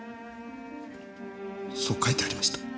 そう書いてありました。